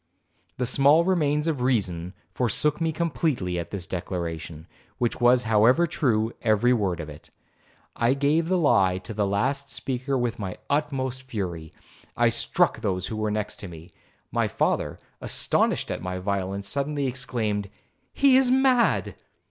The small remains of reason forsook me completely at this declaration, which was however true every word of it. I gave the lie to the last speaker with the utmost fury,—I struck those who were next me. My father, astonished at my violence, suddenly exclaimed, 'He is mad.'